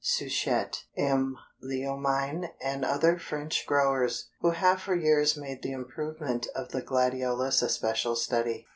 Souchet, M. Leomine and other French growers, who have for years made the improvement of the gladiolus a special study.